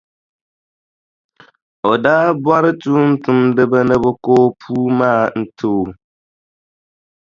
O daa bɔri tumtumdiba ni bɛ ko o puu maa n-ti o.